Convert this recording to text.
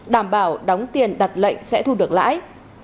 đảm bảo đóng tiền đặt lệnh sẽ thu được lãi